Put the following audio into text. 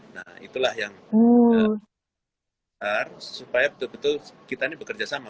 nah itulah yang harus kita berusaha supaya betul betul kita ini bekerjasama